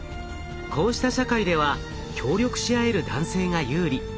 こうした社会では協力し合える男性が有利。